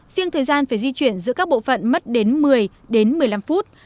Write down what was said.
riêng thời gian phải di chuyển giữa các bộ phận mất đến một mươi đến một mươi năm phút